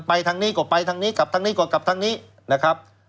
ทางนี้ก็ไปทางนี้กลับทางนี้ก็กลับทางนี้นะครับ